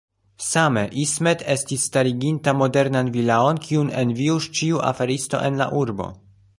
Same, Ismet estis stariginta modernan vilaon, kiun envius ĉiu aferisto en la urbo.